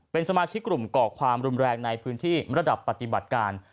เป็นสมาชิกกลุ่มก่อความรุนแรงในพื้นที่ระดับปฏิบัติการ